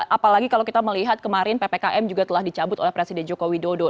apalagi kalau kita melihat kemarin ppkm juga telah dicabut oleh presiden joko widodo